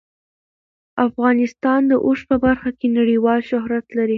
افغانستان د اوښ په برخه کې نړیوال شهرت لري.